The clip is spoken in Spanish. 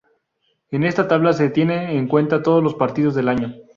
En esta tabla se tienen en cuenta todos los partidos del año.